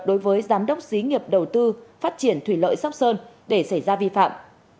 đối với giám đốc xí nghiệp đầu tư phát triển thủy lợi sóc sơn để xảy ra vi phạm